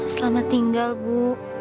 selamat tinggal bu